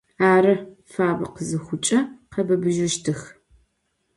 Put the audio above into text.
Arı, fabe khızıxhuç'e, khebıbıjıştıx.